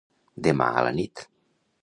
Demà a la nit.